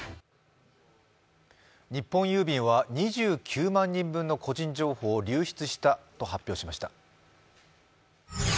日本郵便は２９万人分の個人情報を流出したと発表しました。